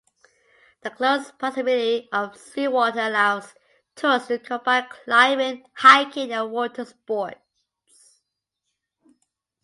The close proximity of seawater allows tourists to combine climbing, hiking and water sports.